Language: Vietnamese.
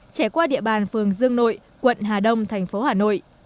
trải qua địa bàn phường dương nội quận hà đông thành phố hà nội